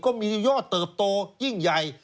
ก็มียอดเติบโตยิ่งใหญ่